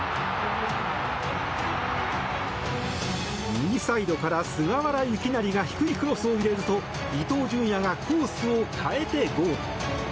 右サイドから菅原由勢が低いクロスを入れると伊東純也がコースを変えてゴール！